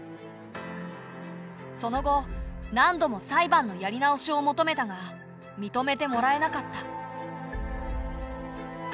その後なんども裁判のやり直しを求めたが認めてもらえなかった。